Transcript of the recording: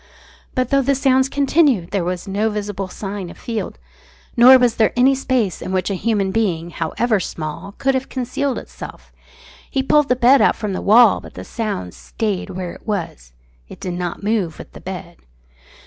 But though the sounds continued there was no visible sign of Field, nor was there any space in which a human being, however small, could have concealed itself. He pulled the bed out from the wall, but the sound stayed where it was. It did not move with the bed.